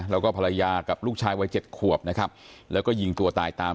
แล้วก็ภรรยากับลูกชายวัย๗ขวบนะครับแล้วก็ยิงตัวตายตาม